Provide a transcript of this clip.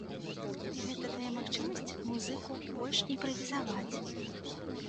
І гэта дае магчымасці музыку больш імправізаваць.